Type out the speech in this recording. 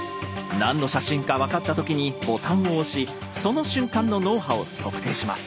何の写真か分かった時にボタンを押しその瞬間の脳波を測定します。